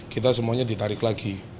kita semuanya ditarik lagi